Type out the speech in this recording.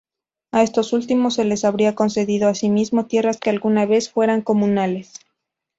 A estos últimos se les habría concedido asimismo tierras que alguna vez fueran comunales.